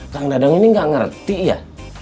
kang dadang ini nggak ngerti ya